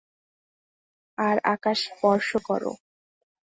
আর আকাশ স্পর্শ করো।